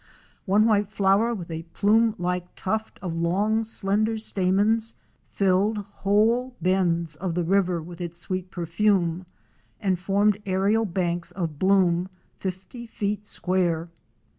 One white flower with a plume like tuft of long slender stamens, filled whole bends of the river with its sweet perfume and formed aérial banks of bloom fifty feet square.